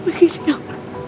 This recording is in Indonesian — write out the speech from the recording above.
jangan dua ratus reminiscent